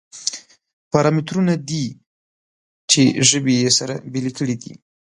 پارامترونه دي چې ژبې یې سره بېلې کړې دي.